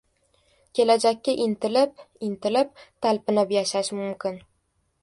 Kelajakka intilib, intilib, talpinib yashash mumkin.